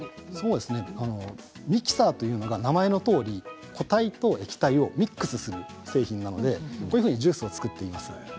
ミキサーというのは名前のとおり固体と液体をミックスする製品なのでジュースを作っています。